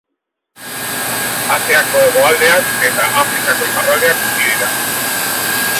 Asiako hegoaldean eta Afrikako iparraldean bizi dira.